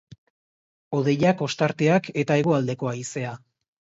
Hodeiak, ostarteak eta hegoaldeko haizea.